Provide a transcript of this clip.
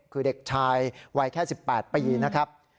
คือเด็กชายวัยแค่๑๘ปีนะครับ